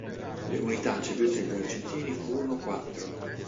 Le unità cedute agli argentini furono quattro.